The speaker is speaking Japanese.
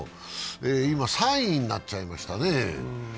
今、３位になっちゃいましたね。